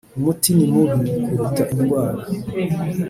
umuti ni mubi kuruta indwara.